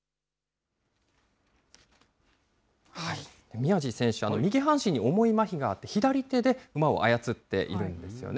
宮路選手、右半身に重いまひがあって、左手で馬を操っているんですよね。